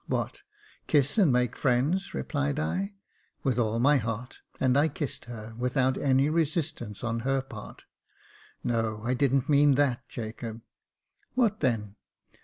"What, 'kiss and make friends'?" replied I; "with all my heart," and I kissed her, without any resistance on her part. "No, I didn't mean that, Jacob." "What then.?"